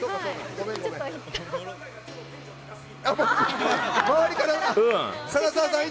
ごめんごめん。